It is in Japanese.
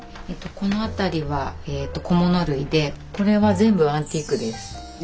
この辺りは小物類でこれは全部アンティークです。